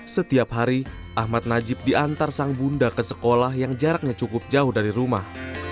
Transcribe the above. setiap hari ahmad najib diantar sang bunda ke sekolah yang jaraknya cukup jauh dari rumah